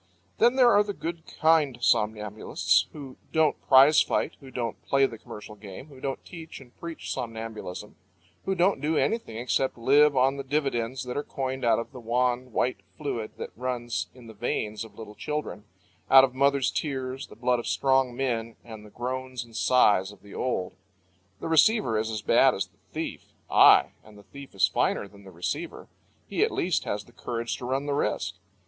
Then there are the good, kind somnambulists who don't prize fight, who don't play the commercial game, who don't teach and preach somnambulism, who don't do anything except live on the dividends that are coined out of the wan, white fluid that runs in the veins of little children, out of mothers' tears, the blood of strong men, and the groans and sighs of the old. The receiver is as bad as the thief ay, and the thief is finer than the receiver; he at least has the courage to run the risk.